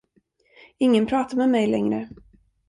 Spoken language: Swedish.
Ingen pratar med mig längre.